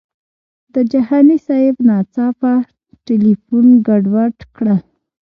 د جهاني صاحب ناڅاپه تیلفون ګډوډ کړل.